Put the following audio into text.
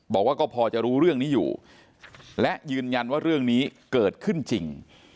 บอกว่าก็พอจะรู้เรื่องนี้อยู่และยืนยันว่าเรื่องนี้เกิดขึ้นจริง